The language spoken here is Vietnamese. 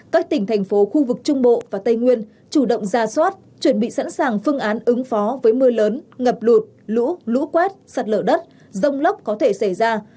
các tỉnh thành phố khu vực trung bộ và tây nguyên chủ động ra soát chuẩn bị sẵn sàng phương án ứng phó với mưa lớn ngập lụt lũ lũ quét sạt lở đất rông lốc có thể xảy ra